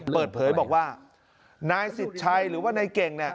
เปิดเผยบอกว่านายสิทธิ์ชัยหรือว่านายเก่ง